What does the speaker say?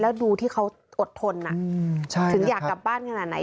แล้วดูที่เขาอดทนถึงอยากกลับบ้านขนาดไหน